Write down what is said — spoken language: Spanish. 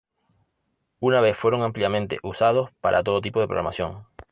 Una vez fueron ampliamente usados para todo tipo de programación.